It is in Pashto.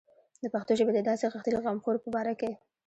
د پښتو ژبې د داسې غښتلي غمخور په باره کې.